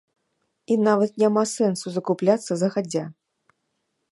І нават няма сэнсу закупляцца загадзя.